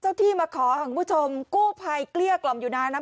ที่มาขอของคุณผู้ชมกู้ภัยเกลี้ยกล่อมอยู่นานนะ